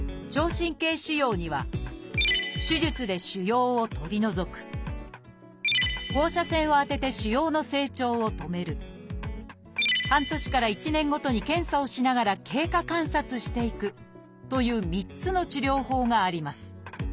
神経腫瘍には「手術で腫瘍を取り除く」「放射線を当てて腫瘍の成長を止める」「半年から１年ごとに検査をしながら経過観察していく」という３つの治療法があります。